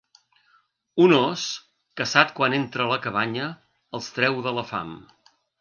Un ós, caçat quan entra a la cabanya, els treu de la fam.